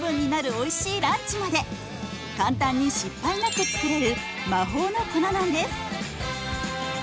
おいしいランチまで簡単に失敗なく作れる魔法の粉なんです。